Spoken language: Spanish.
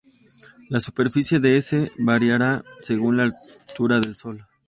La superficie de S variará según la altura del Sol.